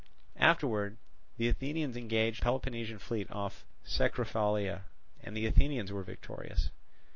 Afterwards the Athenians engaged the Peloponnesian fleet off Cecruphalia; and the Athenians were victorious.